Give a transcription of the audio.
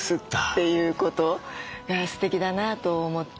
すてきだなと思って。